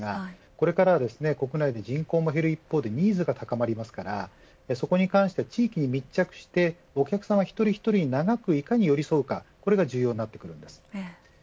これからは国内で人口も減る一方でニーズが高まりますからそこに関して地域に密着してお客様１人１人に長くいかに寄り添うかこれが重要になってきます。